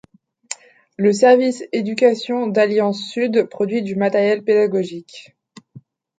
Le service Éducation d'Alliance Sud produit du matériel pédagogique.